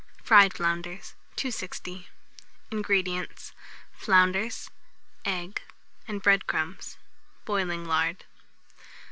FRIED FLOUNDERS. 260. INGREDIENTS. Flounders, egg, and bread crumbs; boiling lard.